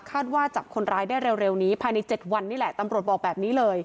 ว่าจับคนร้ายได้เร็วนี้ภายใน๗วันนี่แหละตำรวจบอกแบบนี้เลย